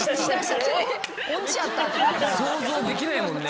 想像できないもんね。